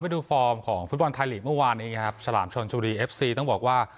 ไปดูฟอร์มของฟุตบอลไทยฤทธิ์เมื่อวานเองครับฉลามชนชุดีเอฟซีต้องบอกว่า